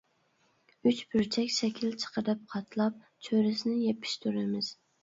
ئۈچ بۇرجەك شەكىل چىقىرىپ قاتلاپ، چۆرىسىنى يېپىشتۇرىمىز.